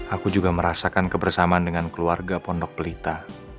aku juga merasakan kebersamaan dengan keluarga pondok pelita